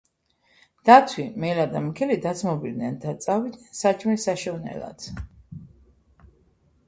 დათვი, მელა და მგელი დაძმობილდნენ და წავიდნენ საჭმლის საშოვნელად.